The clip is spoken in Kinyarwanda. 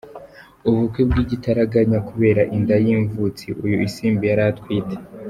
ubukwe bwigitaraganya kubera inda yimvutsi uyu Isimbi yari atwite.